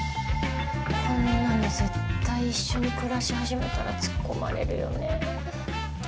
こんなの絶対一緒に暮らし始めたら突っ込まれるよね。